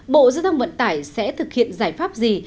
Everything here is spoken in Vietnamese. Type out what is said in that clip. bộ giao thông vận tải sẽ thực hiện giải pháp gì